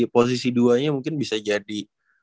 posisi duanya mungkin bisa jadi